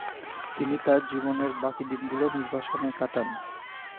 তিনি তার জীবনের বাকি দিনগুলো নির্বাসনে কাটান।